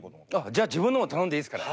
じゃ自分のも頼んでいいっすか？